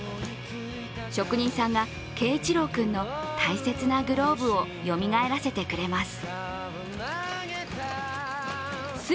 職人さんが佳一朗君の大切なグローブをよみがえらせてくれます。